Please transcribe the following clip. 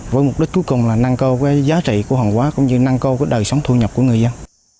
với mục đích cuối cùng là năng cơ giá trị của hòn quả cũng như năng cơ đời sống thu nhập của người dân